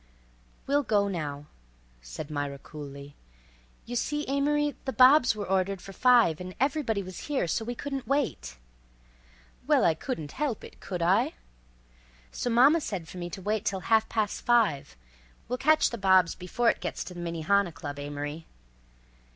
"We'll go now," said Myra coolly. "You see, Amory, the bobs were ordered for five and everybody was here, so we couldn't wait—" "Well, I couldn't help it, could I?" "So mama said for me to wait till ha'past five. We'll catch the bobs before it gets to the Minnehaha Club, Amory."